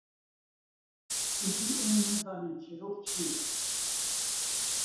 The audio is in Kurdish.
êdî em nizanin çîrok çi ye.